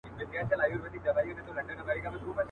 هر ماښام به رنگ په رنگ وه خوراكونه.